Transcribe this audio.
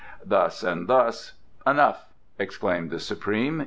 Thus and thus " "Enough!" exclaimed the Supreme.